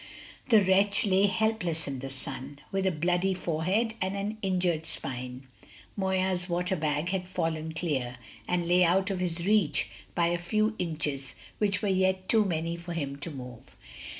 The wretch lay helpless in the sun, with a bloody forehead and an injured spine. Moya's water bag had fallen clear, and lay out of his reach by a few inches which were yet too many for him to move.